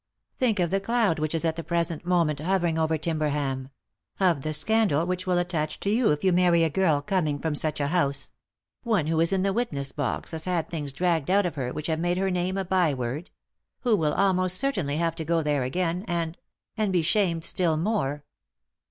" Think of the cloud which is at the present moment hovering over Timberham ; of the scandal which will attach to you if you marry a girl coming from such a house — one who in the witness box has had things dragged out of her which have made her name a by word ; who will almost certainly have to go there again and — and be shamed still more."